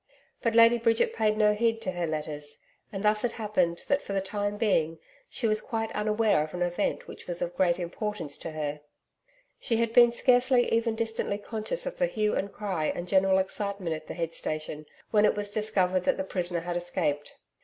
But Lady Bridget paid no heed to her letters, and thus it happened that for the time being, she was quite unaware of an event which was of great importance to her. She had been scarcely even distantly conscious of the hue and cry, and general excitement at the head station, when it was discovered that the prisoner had escaped.